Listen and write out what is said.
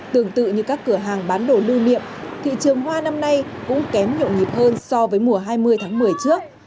tương tự như các cửa hàng bán đồ lưu niệm thị trường hoa năm nay cũng kém nhộn nhịp hơn so với mùa hai mươi tháng một mươi trước